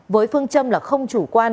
với phương châm là không chủ quan